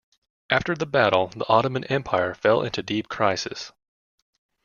After the battle, the Ottoman Empire fell into deep crisis.